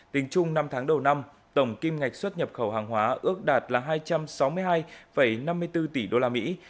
tính chung năm tháng đầu năm tổng kim ngạch xuất nhập khẩu hàng hóa ước đạt là hai trăm sáu mươi hai năm mươi bốn tỷ đô la mỹ